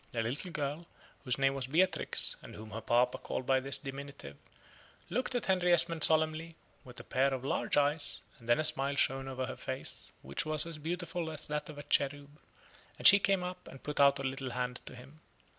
The little girl, whose name was Beatrix, and whom her papa called by this diminutive, looked at Henry Esmond solemnly, with a pair of large eyes, and then a smile shone over her face, which was as beautiful as that of a cherub, and she came up and put out a little hand to him.